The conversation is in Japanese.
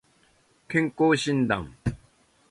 健康診断